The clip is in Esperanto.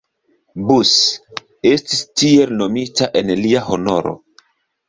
Bus, estis tiel nomita en lia honoro.